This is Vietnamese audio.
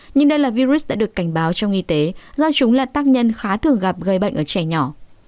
nhưng đây là virus đã được cảnh báo trong y tế do chúng là tác nhân khá thường gặp gây bệnh ở trẻ nhỏ